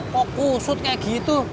kok kusut kayak gitu